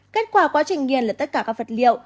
kết quả quá trình nghiên là tất cả các vật liệu